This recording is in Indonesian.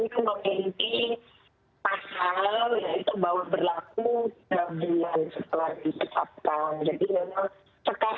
silahkan memutarkan pendapat